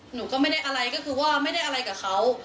หนูก็ไม่ได้อะไรก็คือว่าไม่ได้อะไรกับเขา